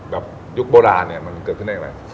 ยุคโบราณเนี่ยมันเกิดขึ้นได้อย่างไร